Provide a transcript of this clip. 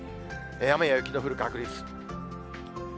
雨や雪の降る確率。